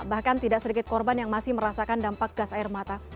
bahkan tidak sedikit korban yang masih merasakan dampak gas air mata